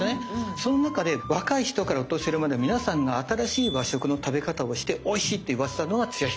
その中で若い人からお年寄りまで皆さんが新しい和食の食べ方をしておいしいって言わせたのはつや姫なんです！